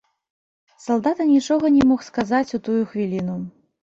Салдат анічога не мог сказаць у тую хвіліну.